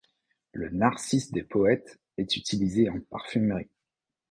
Le narcisse des poètes est utilisé en parfumerie.